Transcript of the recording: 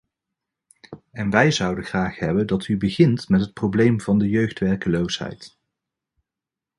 En wij zouden graag hebben dat u begint met het probleem van de jeugdwerkloosheid.